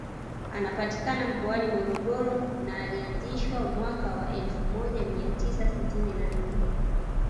Inapatikana mkoani Morogoro na ilianzishwa mwaka wa elfu moja mia tisa sitini na nne